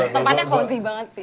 tempatnya cozy banget sih